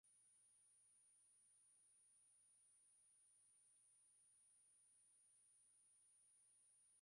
Hakika ni nafasi ya wanamuziki wengi wachanga kujifunza